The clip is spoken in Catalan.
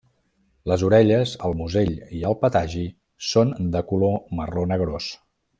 Les orelles, el musell i el patagi són de color marró negrós.